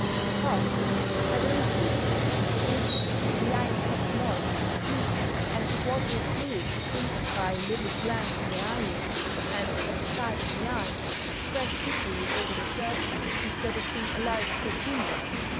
_ Because, by the repeated action of winking, the eye is kept moist and clean, and the watery fluid secreted by little glands in the eyelids, and at the sides of the eye, is spread equally over the surface, instead of being allowed to accumulate.